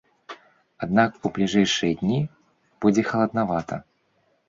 Аднак у бліжэйшыя дні будзе халаднавата.